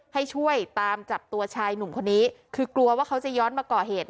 ให้ช่วยตามจับตัวชายหนุ่มคนนี้คือกลัวว่าเขาจะย้อนมาก่อเหตุ